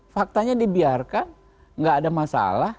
faktanya dibiarkan nggak ada masalah